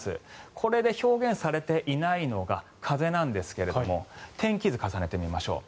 これで表現されていないのが風なんですが天気図、重ねてみましょう。